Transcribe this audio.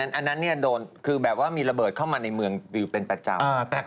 อันนั้นโดนคือแบบว่ามีระเบิดเข้ามาในเมืองบิวเป็นประจำ